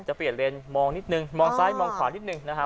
จะเปลี่ยนเลนส์มองนิดนึงมองซ้ายมองขวานิดนึงนะฮะ